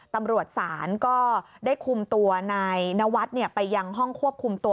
ตำรวจศาลก็ได้คุมตัวนายนวัฒน์ไปยังห้องควบคุมตัว